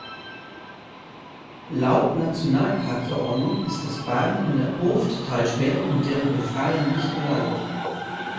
Laut Nationalpark-Verordnung ist das Baden in der Urfttalsperre und deren Befahren nicht erlaubt.